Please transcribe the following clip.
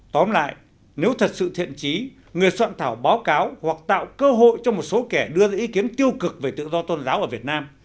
tóm lại nếu thật sự thiện trí người soạn thảo báo cáo hoặc tạo cơ hội cho một số kẻ đưa ra ý kiến tiêu cực về tự do tôn giáo ở việt nam